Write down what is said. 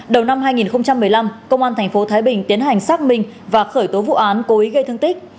đầu năm hai nghìn một mươi năm công an tp thái bình tiến hành xác minh và khởi tố vụ án cố ý gây thương tích